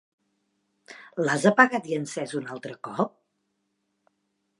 L'has apagat i encès un altre cop?